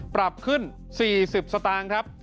ปรับขึ้น๔๐สตครับ